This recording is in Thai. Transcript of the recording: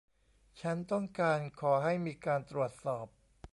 ฉันต้องการขอให้มีการตรวจสอบ